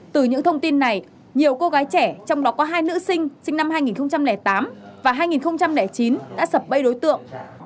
từ những thông tin này nhiều cô gái trẻ trong đó có hai nữ sinh năm hai nghìn tám và hai nghìn chín đã sập bẫy đối tượng